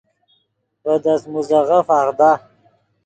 ڤے دست موزیغف آغدا